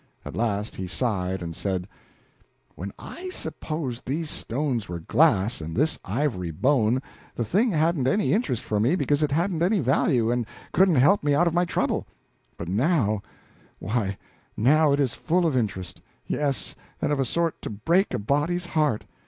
At last he sighed and said: "When I supposed these stones were glass and this ivory bone, the thing hadn't any interest for me because it hadn't any value, and couldn't help me out of my trouble. But now why, now it is full of interest; yes, and of a sort to break a body's heart.